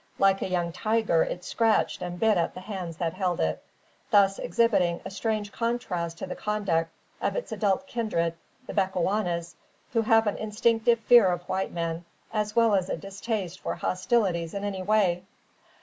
Like a young tiger, it scratched and bit at the hands that held it; thus exhibiting a strange contrast to the conduct of its adult kindred, the Bechuanas, who have an instinctive fear of white men as well as a distaste for hostilities in any way.